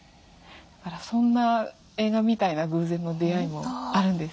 だからそんな映画みたいな偶然の出会いもあるんですよね。